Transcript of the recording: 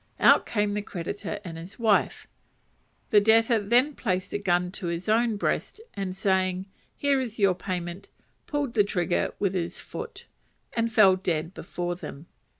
Out came the creditor and his wife. The debtor then placed the gun to his own breast, and saying, "Here is your payment," pulled the trigger with his foot, and fell dead before them.